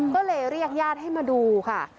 ก็เลยเรียกญาติให้มาดูค่ะ